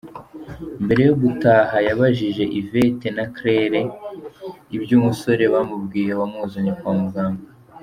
Mbere yo gutaha yabajije Yvette na Claire iby’umusore bamubwiye wamuzanye kwa muganga.